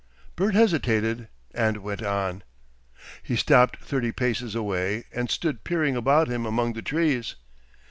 Bert hesitated and went on. He stopped thirty paces away and stood peering about him among the trees.